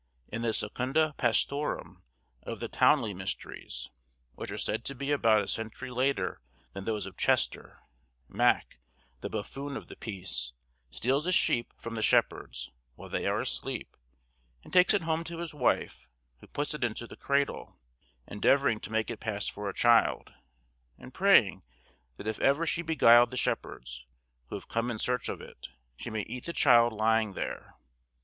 In the 'Secunda Pastorum' of the Towneley Mysteries, which are said to be about a century later than those of Chester, Mak, the buffoon of the piece, steals a sheep from the Shepherds, while they are asleep, and takes it home to his wife, who puts it into the cradle, endeavouring to make it pass for a child, and praying that if ever she beguiled the Shepherds, who have come in search of it, she may eat the child lying there.